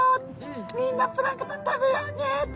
みんなプランクトン食べようね」と。